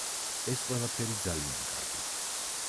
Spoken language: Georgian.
ეს ყველაფერი ძალიან კარგი.